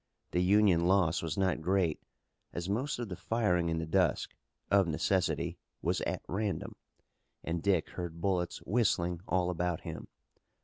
The Union loss was not great as most of the firing in the dusk, of necessity, was at random, and Dick heard bullets whistling all about him.